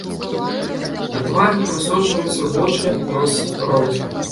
На твары прасочваюцца вочы, нос, рот.